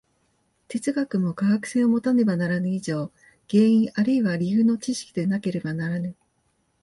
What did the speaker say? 哲学も科学性をもたねばならぬ以上、原因あるいは理由の知識でなければならぬ。